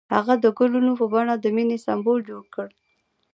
هغه د ګلونه په بڼه د مینې سمبول جوړ کړ.